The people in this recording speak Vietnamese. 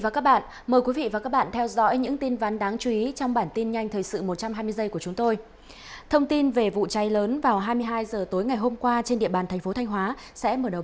các bạn hãy đăng ký kênh để ủng hộ kênh của chúng tôi nhé